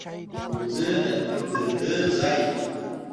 ښوونځی د همدرۍ ځای دی